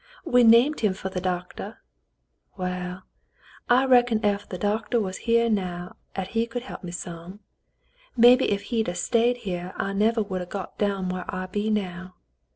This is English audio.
We named him fer th' doctah. Waal, I reckon ef th' doctah was here now 'at he could he'p me some. Maybe ef he'd 'a' stayed here I nevah would 'a' got down whar I be now.